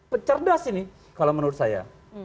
pecerdas ini kalau menurut saya